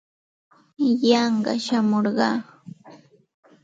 Yanqa shamurqaa.